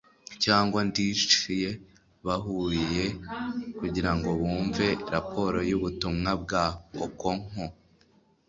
cyangwa ndichie, bahuye kugirango bumve raporo yubutumwa bwa okonkwo